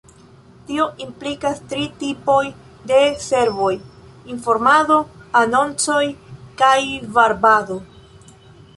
Tio implikas tri tipojn de servoj: informado, anoncoj kaj varbado.